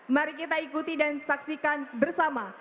mari kita ikuti dan saksikan bersama